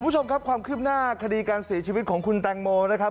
มุชชมครับความขื่นหน้าคดีการสีชีวิตของคุณตังโมนะครับ